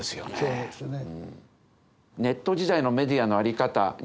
そうですね。